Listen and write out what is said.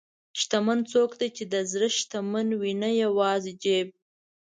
شتمن څوک دی چې د زړه شتمن وي، نه یوازې جیب.